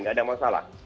tidak ada masalah